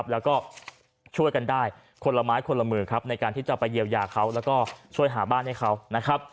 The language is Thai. แล้วก็ช่วยกันได้คนละไม้คนละมือครับในการที่จะไปเยียวยาเขาแล้วก็ช่วยหาบ้านให้เขานะครับ